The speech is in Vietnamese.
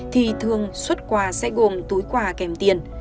thì thường xuất quà sẽ gồm túi quà kèm tiền